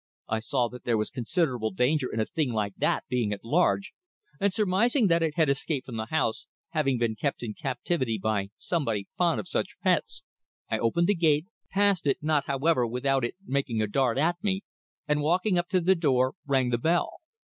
I saw that there was considerable danger in a thing like that being at large, and surmising that it had escaped from the house, having been kept in captivity by somebody fond of such pets, I opened the gate, passed it, not, however, without it making a dart at me, and walking up to the door, rang the bell.